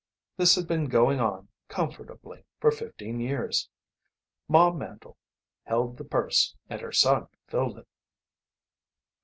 This had been going on, comfortably, for fifteen years. Ma Mandle held the purse and her son filled it.